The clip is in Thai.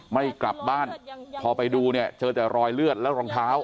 ไม่กลับบ้านพอไปดูเนี่ยเจอแต่รอยเลือดแล้วรองเท้า